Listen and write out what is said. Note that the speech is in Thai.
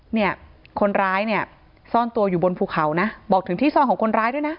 เนี่ยคนร้ายเนี่ยซ่อนตัวอยู่บนภูเขานะบอกถึงที่ซ่อนของคนร้ายด้วยนะ